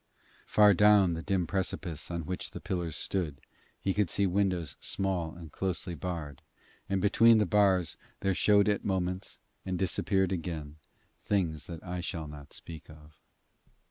Far down the dim precipice on which the pillars stood he could see windows small and closely barred, and between the bars there showed at moments, and disappeared again, things that I shall not speak of.